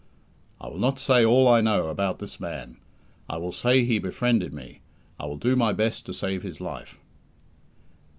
"I will not say all I know about this man. I will say he befriended me. I will do my best to save his life."